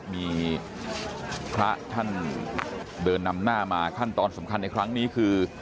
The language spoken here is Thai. มีพระท่านเดินนำหน้ามาขั้นตอนสำคัญในครั้งนี้คือ